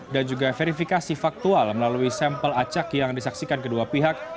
dan juga verifikasi faktual melalui sampel acak yang disaksikan kedua pihak